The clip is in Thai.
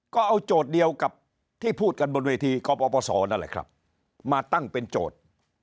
ก็เอาโจทย์เดียวกับที่พูดกันบนเวทีกปศนั่นแหละครับมาตั้งเป็นโจทย์